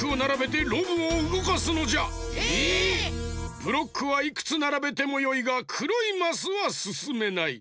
ブロックはいくつならべてもよいがくろいマスはすすめない。